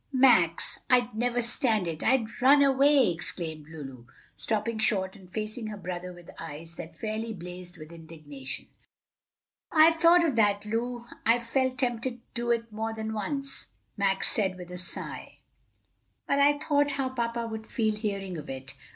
"Max, I'd never stand it! I'd run away!" exclaimed Lulu, stopping short and facing her brother with eyes that fairly blazed with indignation. "I've thought of that, Lu; I've felt tempted to do it more than once," Max said with a sigh; "but I thought how papa would feel hearing of it.